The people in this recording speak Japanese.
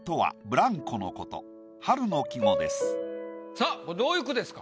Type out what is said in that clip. さぁこれどういう句ですか？